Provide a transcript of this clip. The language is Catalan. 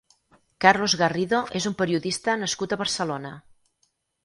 Carlos Garrido és un periodista nascut a Barcelona.